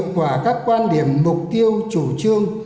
quả các quan điểm mục tiêu chủ trương